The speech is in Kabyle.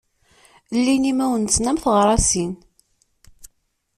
Llin imawen-nnsen am teɣṛasin.